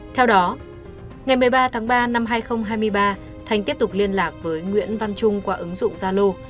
theo đó ngày một mươi ba tháng ba năm hai nghìn hai mươi ba thanh tiếp tục liên lạc với nguyễn văn trung qua ứng dụng zalo